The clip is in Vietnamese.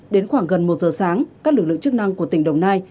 đến khoảng gần một giờ sáng các lực lượng chức năng của tỉnh đồng nai